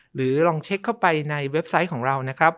หรือลองเช็คเข้าไปในเว็บไซต์ของเรานะครับ